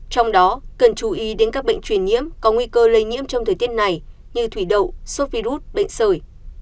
trong đó cần chú ý đến các bệnh truyền nhiễm có nguy cơ lây nhiễm trong thời tiết này như thủy đậu sốt virus bệnh sởi